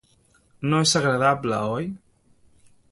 No és agradable, oi?